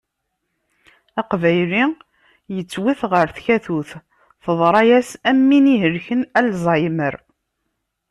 Aqbayli yettwet ɣer tkatut, teḍṛa-as am win ihelken alzaymer.